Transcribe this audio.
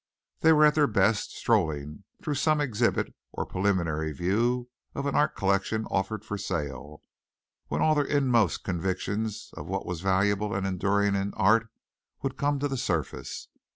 They were at their best strolling through some exhibit or preliminary view of an art collection offered for sale, when all their inmost convictions of what was valuable and enduring in art would come to the surface.